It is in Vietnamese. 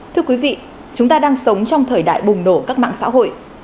thưa quý vị chúng ta đang sống trong thời đại bùng nổ các mạng xã hội